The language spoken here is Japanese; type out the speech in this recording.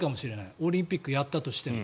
オリンピックをやったとしても。